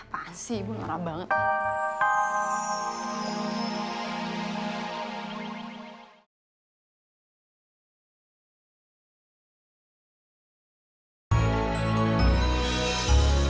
pasti ibu marah banget